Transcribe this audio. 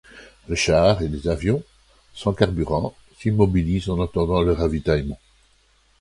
Les chars et les avions, sans carburant, s'immobilisent en attendant leur ravitaillement.